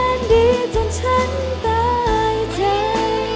แรงดีจนฉันตายใจ